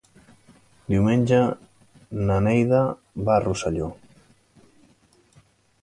Diumenge na Neida va a Rosselló.